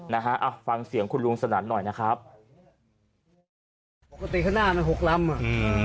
นะฮะอ่ะฟังเสียงคุณลุงสนั่นหน่อยนะครับปกติข้างหน้ามันหกลำอ่ะอืม